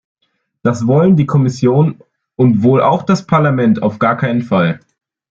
Das wollen die Kommission und wohl auch das Parlament auf gar keinen Fall.